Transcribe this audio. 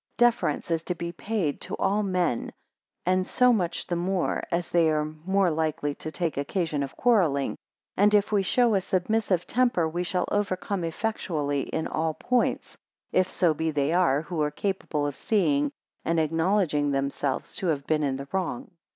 3 Deference is to be paid to all men, and so much the more, as they are more likely to take occasions of quarrelling. 4 And if we show a submissive temper, we shall overcome effectually in all points, if so be they are, who are capable of seeing and acknowledging themselves to have been in the wrong.